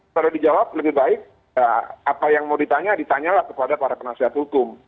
kalau dijawab lebih baik apa yang mau ditanya ditanyalah kepada para penasihat hukum